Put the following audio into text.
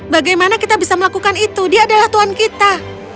bagaimana kita bisa melakukan itu dia adalah tuhan kita